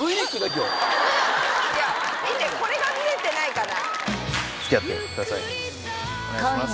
今日いや見てこれが見えてないかな？